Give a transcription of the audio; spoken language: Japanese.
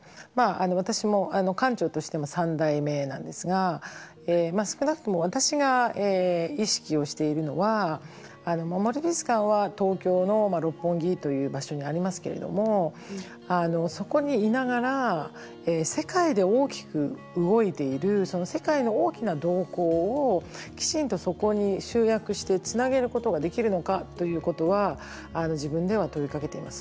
私も館長としても３代目なんですが少なくとも私が意識をしているのは森美術館は東京の六本木という場所にありますけれどもそこにいながら世界で大きく動いている世界の大きな動向をきちんとそこに集約してつなげることができるのかということは自分では問いかけています。